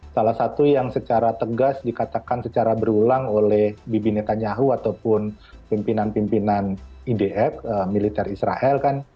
salah satu yang secara tegas dikatakan secara berulang oleh bibi netanyahu ataupun pimpinan pimpinan idf militer israel kan